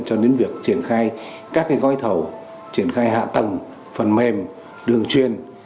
cho đến việc triển khai các gói thầu triển khai hạ tầng phần mềm đường chuyên